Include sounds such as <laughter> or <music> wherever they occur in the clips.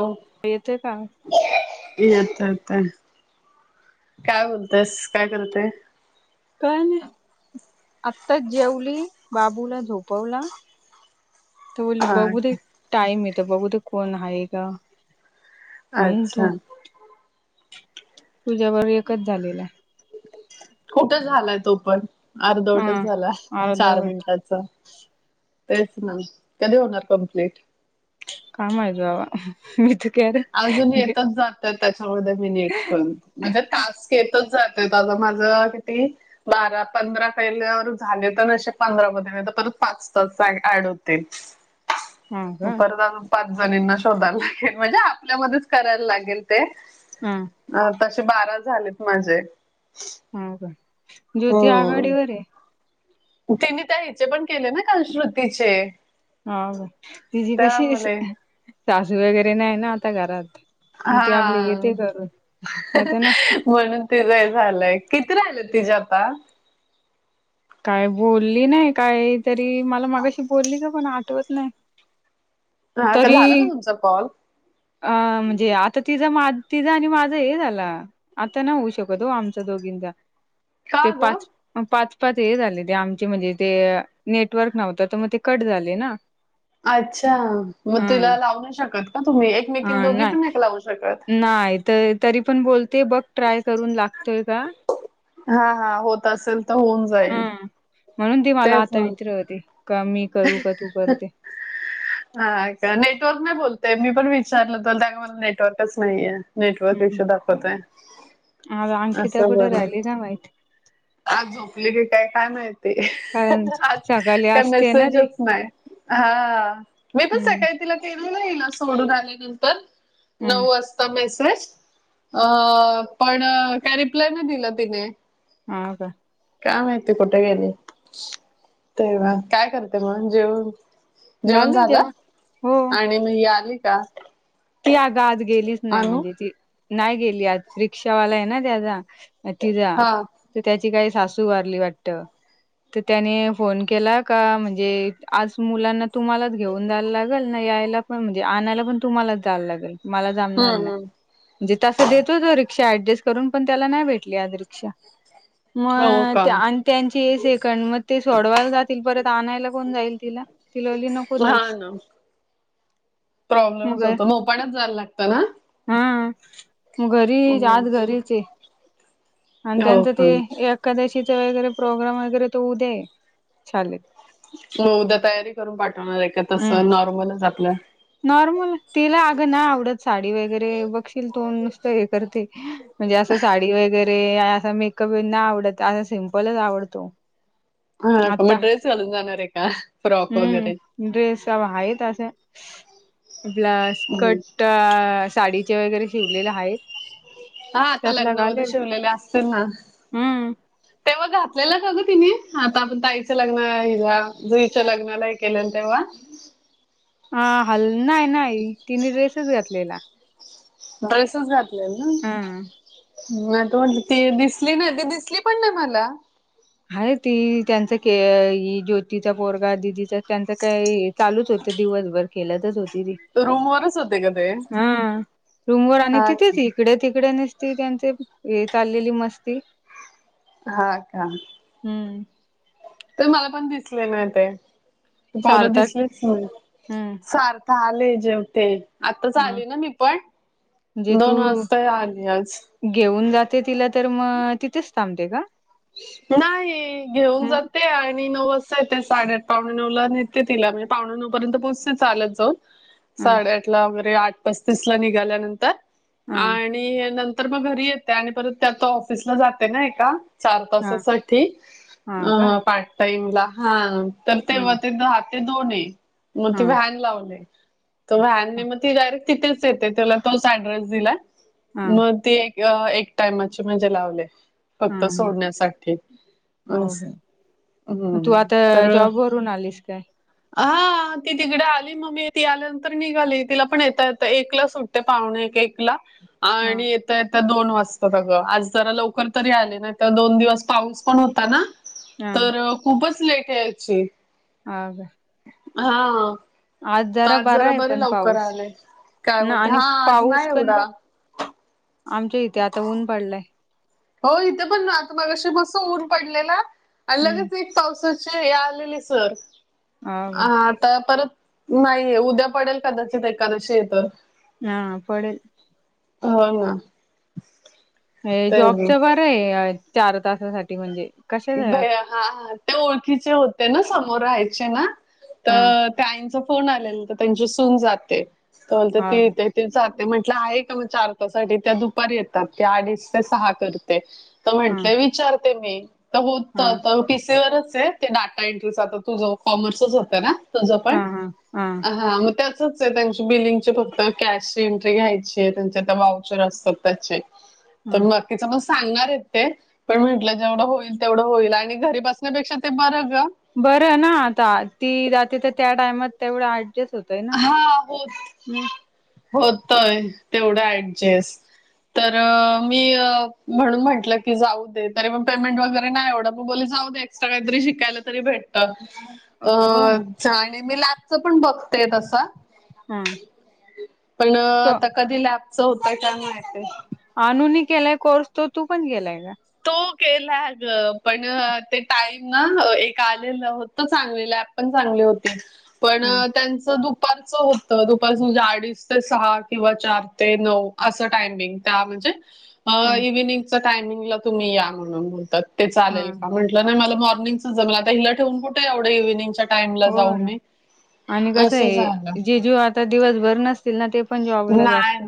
हो येतोय का? येतो येतो काय बोलतसे काय करतेय काही नाही आत्ताच जेवली बाबूला झोपवलं तर बोली हा बघु दे टाईम आहे तर बघु दे कोण हाय का म्हण अच्छा तू तुझ्याबरोबर एकच झालेला आहे. कुठं झालाय तो पण अर्धवटच हा झाला चार अर्धवट मिनटात तेच ना कधी होणार कंप्लीट काय माहित बाबा मी ते अजून येतच जात त्याच्यामध्ये मी नेट पण म्हणजे टास्क येत इथं जातं बाबा माझं किती? बारा पंधरा पहिल्यावर झाले तरे पंधरा मध्ये नाही परत पाच तास ऍड होते. हा का परत पाचजणीना शोधायला पाहिजे म्हणजे आपल्यामध्येच करायला लागेल ते हम्म अ आताशी बारा झालेत माझे हो का ज्योती आघाडीवर हम्म आहे. तिने त्या हिचे पण केले ना काल श्रुतीचे? हा तिझी कशी त्यामुळे सासू वगैरे नाही ना आता घरात मग ती आपली हा येते करून नाही तर नसत म्हणून ती हे झालंय किती राहिलेत तिझे आता? काय बोलली नाही काही तरी मला मागाशी बोलली ग पण आठवत नाही. हा का झाला ना तरी तुमचा कॉल अ म्हणजे आता तिचां मा तिझं आणि माझा हे झाला आता नाही होऊ शकत हो आमचा दोघींचा ते का ग पाच पाच तर हे झाले ते आमचे म्हणजे ते नेटवर्क नव्हत तर मग ते कट झाले ना अच्छा मग हं तिला लावू नाही शकत का तुम्ही एकमेकीला हा दोघी नाही पण एक लावू शकत नाही. तर तरी पण बोलते बघ ट्राय करून लागतोय का हा होत असेल तर होऊन जाईल हं म्हणून ती मला तेच आता मग विचारत होती का मी करू का तू करते <inaudible> हा का नेटवर्क नाही बोलते मी पण विचारलं तर त्या काय म्हणाल्या मला नेटवर्कच नाहीये. नेटवर्क हं इशु दाखवतय. आज अंकिता असं कुठे बोलले राहिली काय माहित आज झोपली की काय काय माहिती कारण आज सकाळी त्यांनाच असते ना ते सहजच नाही हा मी पण हं सकाळी तिला केलं ना हीला सोडून आल्यानंतर हं नऊ वाज ता मेसेज अ पण काय रिप्लाय नाही दिला तिने हा का काय माहिती कुठे गेले ते मग काय करते मग जेवन जेवण झालं हो. आणि म ही आली का? ती आग आज गेलीच नाही अनु म्हणजे ती नाही गेली आज रिक्षावाला आहे ना त्याचा तिजा हा तर त्याची काही सासू वारली वाटत. तर त्याने फोन केला का म्हणजे आज मुलांना तुम्हालाच घेऊन जायला लागेल नाही यायला पण म्हणजे आणायला पण तुम्हालाच जायला लागेल मला जमणार हम्म नाही. हम्म म्हणजे तसं देतो तो रिक्षा ऍडजस्ट करून पण त्याला नाही भेटली आज रिक्षा हो का मग आणि त्यांची सेकंड मग ते सोडवायला जातील परत आणायला कोण जाईल तिला ति लली नको हा जावूस मग प्रॉब्लेमच होतो म आपनच जायला लागत ना हा मग घरी आज घरीचे ये आणि हो त्यांच ते का एक एकादशीचा वगैरे प्रोग्रॅम वगैरे तो उद्या आहे. चालेल म उद्या तयारी करून पाठवणार आहे का तस हम्म. नॉर्मलच आपल्या नॉर्मल तिला अगं नाय आवडत साडी साडी वगैरे बघशील तू नुसत हे करते म्हणजे अस साडी वगैरे अस मेक कबी नाय आवडत असा सिम्पलच आवडतो. हा का आता मग ड्रेस घालून जाणार आहे का फ्रॉक वगैरे हम्म ड्रेस आ आहेत अस ब्लास हम्म. कट साडीचे वगैरे शिवलेल आहेच हा आता लग्नामध्ये शिवलेले असतील ना हम्म. ते घातलेलं का गं तिने आता आपण ताईचं लग्ना हिला जुईच्या लग्नाला हे केलेल तेव्हा हा हल नाही नाही तिने ड्रेसेच घातलेला ड्रेसच घातलेला ना हम्म. आता म्हटलं ती दिसली नाही ती दिसली पण नाही मला आहे ती त्यांच के इ ज्योतीचा पोरगा दिदीचा त्याचं काय चालूच होत, दिवसभर खेलतच होती. दीदी, रूम वरच होते का ते हा रूमवर आणि, हा तिथेच, इकडे तिकडे नीस ती त्यांचे हे, चाललेली मस्ती, हा, का, हम्म, ते, मला पण दिसले नाही ते. ती पोर, सार्थक दिसलीच ना, हम्म सार्थ आले जेवते, आताच ह आली ना मीपण, म्हणजे तू दोन वाजता आली आज, घेऊन जाते तिला, तर मग तिथेच थांबते का? नाही, घेऊन ह जाते, आणि नव येत, साडेआठ, पावणे नऊ ला नेते तिला म्हणजे, पावणे नऊ पर्यंत पोहोचते, चालत जाऊन ह साडेआठ, ला वगरे आठ पस्तीस ला निघाल्यानंतर, ह आणि तर मग घरी येते, आणि परत ते आता, ऑफिसला जाते ना एका, चार ह तासासाठी, हा अ का पार्ट टाईम ला, हा तर ह तेव्हा ते द ते दोन आहे, मग ते ह व्हॅन लावले. तो, व्हॅनने ह मग ती, डायरेक्ट तिथेच येते, त्याला तोच ऍड्रेस दिलाय, मग ती अ, एक टायमाचे म्हणजे लावले, फक्त ह सोडण्यासाठी, हो हो असं तू, हम्म आता तर जॉबवररून आलीस काय? हा, ती तिकडे आली, म मी ती आल्यानंतर निघाली, तिला पण येता- येता एकला सुटते, पाहुणे एकला, हा आणि, येता- येतता दोन वाजता अग, आज जरा लवकर तरी आले, ना त दोन, दिवस पाऊस पण होता ना, हा तर खूपच लेट याची, ह, हा आज, तर जरा बरा आहे बरे पण लवकर पाऊस, आले. काय ना बोलते आणि हा आज पाऊस नाही पण बघ, एवढा आमच्या इथे, आता ऊन पडलाय, हो, इथे पण ना आत मगाशी मस्त ऊन पडलेला, आणि हम्म लगेच पावसाची हे, आलेली सर हा का परत नाहीये, उद्या पडेल कदाचित, एखकादशी आहे तर. हा, पडेल हो, ना जॉब ते च बरं आहे, चार तासासाठी म्हणजे, कशाच भ, हा ते ओळखीचे होते ना, समोर राहायचे ना, हा तर त्या आईचा फोन आलेला, तर त्यांची सून जाते, तर हा म्हणते ती ते जाते म्हटलं आहे का, मग चार तास साठी त्या दुपार येतात, ते अडीच ते सहा करते. तर हा हा म्हंटलेय विचारते मी, तर होत हा पिसीवरच आहे. ते, डाटा एंट्रीचा, तो तुझ कॉमर्सच होत ना, तुझ पण हा हा मग त्या त्यांची, बिलिंगचे फक्त कॅशची एंट्री घ्यायची, त्यांचे ते वाउचर असतात त्याचे, हा तर बाकी च मग सांगणार आहेत ते, पण म्हंटलं जेवढं होईल, तेवढं होईल, आणि घरी बसण्यापेक्षा ते, बरं ग बरं ना आता, ती जाते तर, त्या टाइमात तेवढं, तेच होतय, ना हा, होत म -होतय तेवढं ऍडजस्ट, तर, मी म्हणून म्हंटलं की जाऊ दे, तरी मग पेमेंट वगैरे नाही एवढं, म बोली जाऊ दे, एस्ट्रा काहीतरी शिकायला तरी भेटत हो ना मी लॅबच पण बघ तेराशे हा पण तो आता कधी लॅ च होतय का माहिती आणूनी केलाय कोर्स तो तू पण केलाय का तो केला ग पण ते टाईम ना एक आलेलं होत चांगलेला पण चांगले होते पण हा त्यांच दुखः दुपारचं होतं दुपारचं म्हणजे अडीच ते सहा किंवा चार ते नऊ असं टायमिंग म्हणजे हा इव्हनिंग टामिंग तुम्ही या म्हणून बोलतात ते हा चालेल का नाही मोर्निंगचं जमलं आता हिला ठेवन कुठे एवढं इव्हनिंगच्या टाइमला हो जाऊ ना मी आणि कसं असं झालं. आहे जीजू आता दिवसभर नसत असतील ना ते पण जॉबला जात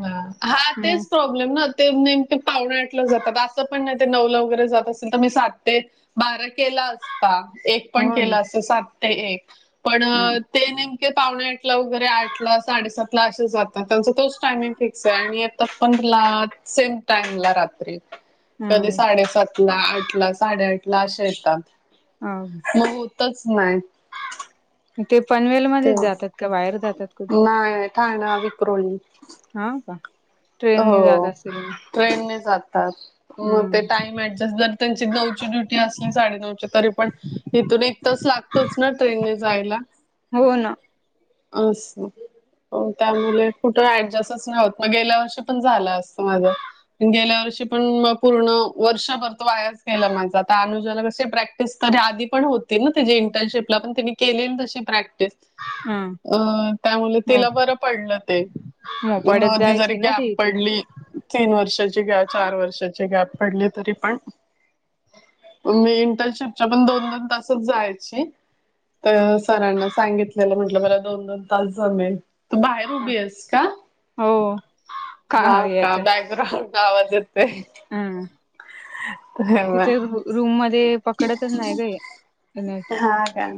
मग ब्लेम ते नेमके पावणेआठ जातात असं पण नाही ते नऊला वगैरे जात असेल तर मी साते बारा केला असता एक पण हो ना केला असत सात ते एक पण हम्म ते नेमके पावणे आठ ला वगैरे आठ ला साडेसात ला असे जातात त्यांचा तोच टायमिंग फिक्स आहे आणि आता पंधला सेम टाइमला रात्री कधी हम्म साडेसात ला आठ ला साडेआठ ला अशे ह येतात मग तसे नाही ते पनवेल ते मध्येच जातात का बाहेर जातात कुठे नाही ठाणा विक्रोळी हा का हो ट्रेननी जात असतील मग. ट्रेन न जातात हो ते हम्म टाईम जर त्यांची नऊची ड्युटी असली साडेनऊच्या तरी पण तिथून एक तास लागतोच ना ट्रेनने जायला हो ना अस त्यामुळे कुठे ऍडजेस्ट नाही मग गेल्या वर्षी पण झालं असतं माझं गेल्या वर्षी पण म पूर्ण वर्ष भरतो वायाच गलं माझ तर अनुजाला कसं प्रॅक्टिस तरी आधी पण होती ना तिची इंटर्नशिपला पण तिने केलेली तशी प्रॅक्टिस हम अ त्यामुळे तिला बर पडलं ते मोपाड्यात आधी जरी जायची ना गॅप ती इथे पड तीन वर्षाची गॅप चार वर्षाची गॅप पडली तरी पण मी इंटरशिपच्या पण दोन दोन तासच जायची तर सरांना सांगितलेलं म्हटलं मला दोन दोन तास जमेल तू बाहेर उभी आहेस का. हो हो हा का बॅकग्राउंड आवाज येत. ह तिथे रूम मध्ये ते पकडतच नाही ग नेट हा का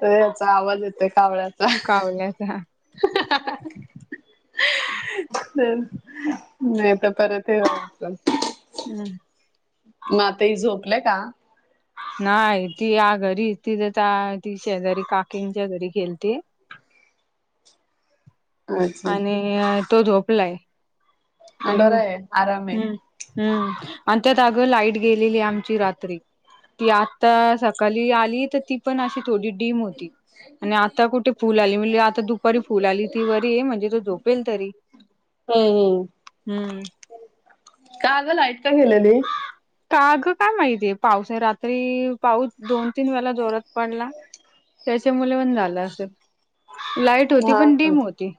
तर याचा आवाज येतोय कावळ्यांच्या कावळ्यांच्या <unintelligible> तर नाही तर परत हे हम्म मग आताही झोपलंय का नाही ती या घरी तिथे ती शेजारी काकीनच्या घरी गेलती अच्छा आणि तो झोपलाय आणि बरं आहे आराम आहे हम् हम्म आणि त्यात अगं आमची लाईट गेलेली आहे आमची रात्री ती आता सकाळी आली तर ती पण अशी थोडी डीम होती आणि आता कुठे फुल आली म्हणजे आता बरी फुल आली ती वरी म्हणजे तो झोपेल तरी. हम्म हम् हम्म. का अग लाईट का? गेलेली. काग काय माहितीये पाऊस आहे रात्री पाऊस दोन, तीन वेळा जोरात पडला. त्यांच्यामुळे पण झाले असेल लाईट होती पण डडीम होती.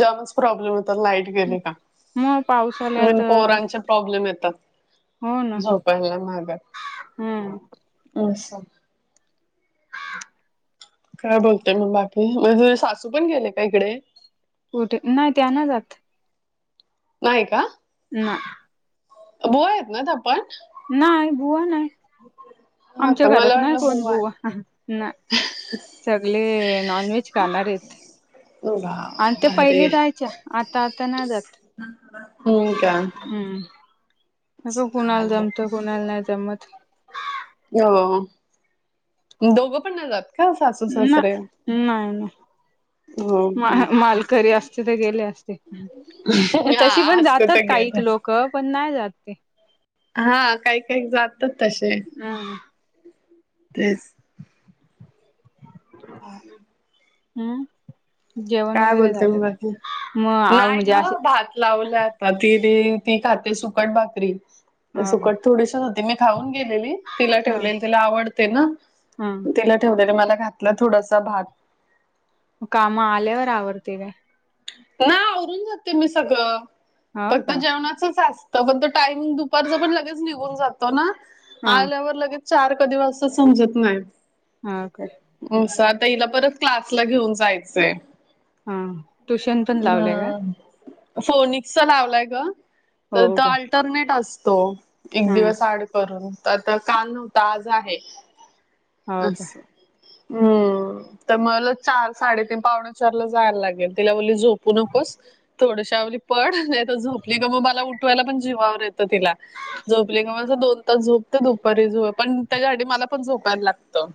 जामच प्रॉब्लेम होत लाईट मग <inaudible> पावसाल्यात पो प्रॉब्लेम येतात. हो ना पडला माग हम्म अस. काय बोलतेय मग बाकी म्हणजे तुझे सासू पण गेले का? इकडे. कुठे नाही त्यांना जाते. नाहीय का? ना. बोयात ना आपण. नाही बुवा नाही हा आमच्या का घरात मला नाही वाटलं कोण बुवा आहेत नाही. सगळे नॉन व्हेज खाणार आहेत. हो. आणि ते पहिली जायच्या आता आता ना जात. ह का? हम्म न का कुणाला चालेल जमतं कुणाला नाही जमत. हो दोघं पण नाही जात. का सासू सासरे नाही, नाही, नाही. हो मा हो मालकरी असते तर गेले असते तशी हा पण असत जातात तर काही गेल लोक. क पण नाही जात ते. हा काही काही जातात तसे. हम. तेस. ह. हम्म. जेवण काय वगैरे बोलता म झालं ग का बाकी मग आ नाही म्हणजे ग असे भा लावल्या आता ती ती खाते सुकट भाकरी. हो का सुकट थोडीशीच होती मी खाऊन गेलेली तिला हा ठेवलेली तिला आवडते ना. हा तिला ठेवले मला घातलं थोडासा भात. काम आल्यावर आवडते काय? ना आवरून जाते मी सगळं हो फक्त का जेवणाचच असत. तर पण त टायमिंग दुपारच पण लगेच निघून जातो ना हा आल्यावर लगेच. चार कधी वाजत समजत नाही. हा का? स आता. हिला परत क्लासला घेऊन जायचंय. हा. ट्युशन पण लावलंय का हम्म फोनिक लावलाय ग तर हो त काय इनटरनेट असतो एक हा दिवस आड करून. आता काल नव्हता आज आहे हो का अस. हम्म तर मला चार साडेतीन पावणे चारला जायला लागेल तिला. म्हणली झोप. पुनकोस. थोडशीावली पड नाही तर झोपली का मग मला उठवायला पण जीवावर येतं तिला. झोपली का मा दोन तास झोपते दुपारी. झो पण त्याच्यासाठी मला पण झोपायला लागतं.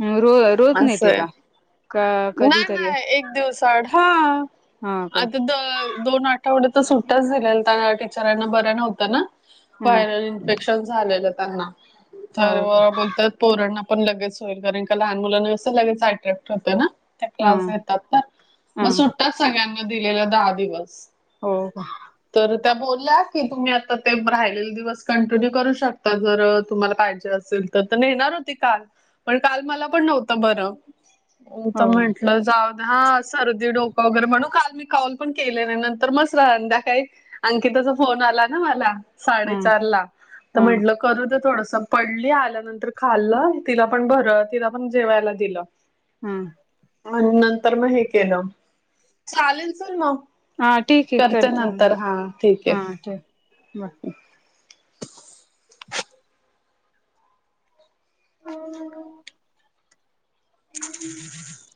म रो रोज नेते असंय का? का नाही कधीतरी? नाही एक दिवसाआड. हा हा का आता द दोन आठवड्या तर सुट्टाच दिलेल त्या टीचरांना बरं नव्हतं ना. हा व्हायरल इन्फेक्शन झालेलं त्यांना. तर हो का बोलतात पोरना पण लगेच होईल. कारण का लहान मुलांना असं लगेच अट्रॅक्ट होत ना त्या हा क्लास घेतात तर. हा म सुट्टाच सगळ्यांना दिलेला दहा दिवस. हो का? तर त्या बोलल्या की तुम्ही आता ते राहिलेले दिवस कंटिन्यू करू शकता, जर तुम्हाला पाहिजे अस सेल त. तर नेणार होती काल, पण काल मला पण नव्हत बरं. तर हो म्हंटलं जाऊ द. हा सर दी, डोकं वगैरे म्हणू काल मी कॉल पण केले नाही. नंतर म संध्याकाळी अंकिताचा फोन आला ना मला हा साडेचार ला तर हा म्हटलं करू द थोडस पडली. आल्यानंतर खाल्लं, तिला पण भर तिला पण जेवायला दिलं. हं. म नंतर म हे केलं. चालेल चल म. हा ठीके. करते म नंतर. ठीक हा आहे ठेव. बर. <inaudible> <inaudible>